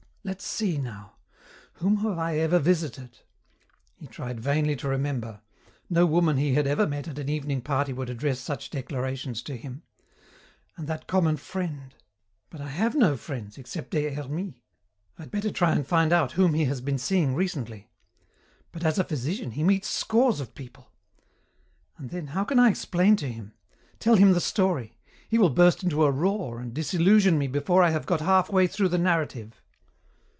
Let's see, now. Whom have I ever visited?" He tried vainly to remember. No woman he had ever met at an evening party would address such declarations to him. And that common friend. "But I have no friends, except Des Hermies. I'd better try and find out whom he has been seeing recently. But as a physician he meets scores of people! And then, how can I explain to him? Tell him the story? He will burst into a roar and disillusion me before I have got halfway through the narrative."